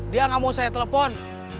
dia nggak mau saya telepon